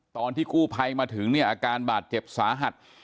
ตอนที่กู้ภัยมาถึงเนี่ยอาการบาดเจ็บสาหัส